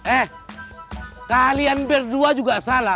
eh kalian berdua juga salah